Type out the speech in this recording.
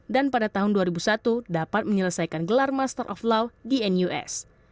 dan pada tahun dua ribu satu dapat menyelesaikan gelar master of law di nus